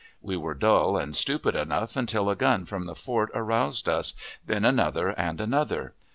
We were dull and stupid enough until a gun from the fort aroused us, then another and another.